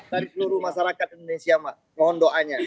dan seluruh masyarakat indonesia mohon doanya